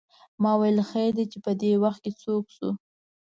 ما ویل خیر وې چې پدې وخت څوک شو.